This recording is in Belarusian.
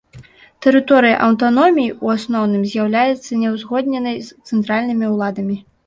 Тэрыторыя аўтаноміі ў асноўным з'яўляецца няўзгодненай з цэнтральнымі ўладамі.